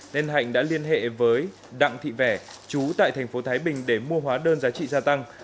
nên hạnh đã liên hệ với đặng thị vẻ chú tại thành phố thái bình để mua hóa đơn giá trị gia tăng